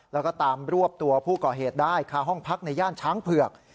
แล้วก็ตามรวบตัวผู้ก่อเหตุได้คาห้องพักในย่านช้างเผือก